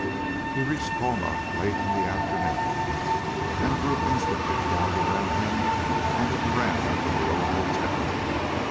He reached Colma late in the afternoon, and a group instantly formed around him on the veranda of the old hotel.